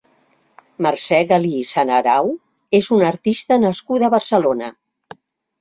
Mercè Galí Sanarau és una artista nascuda a Barcelona.